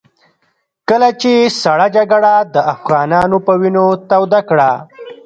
کله چې سړه جګړه د افغانانو په وينو توده کړه.